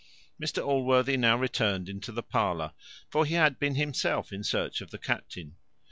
Mr Allworthy now returned into the parlour; for he had been himself in search after the captain.